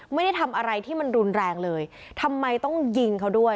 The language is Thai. ไม่ได้ทำอะไรที่มันรุนแรงเลยทำไมต้องยิงเขาด้วย